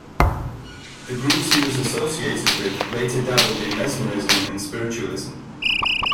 The groups he was associated with later dabbled in mesmerism and spiritualism.